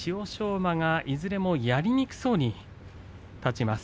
馬がいずれもやりにくそうに立ちます。